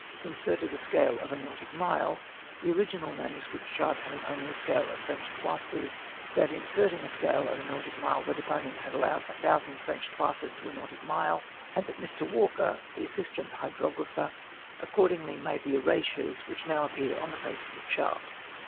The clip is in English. inserted a scale of « nautic mile 1 1 the original manuscript chart having only a scale of French toises ; that in inserting a scale of a nautic mile, this deponent had cdloived a thousand French toises to a nantic mile, and that JMr. Walker, the Assistant Hydro grapher, accordingly made the erasures which now appear on the face of the chart